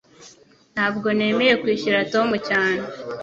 Ntabwo nemeye kwishyura Tom cyane